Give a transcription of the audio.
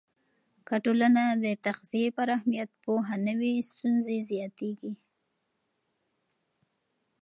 که ټولنه د تغذیې پر اهمیت پوهه نه وي، ستونزې زیاتېږي.